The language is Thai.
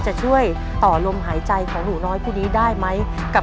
จะช่วยต่อลมหายใจของหนูน้อยผู้นี้ได้ไหม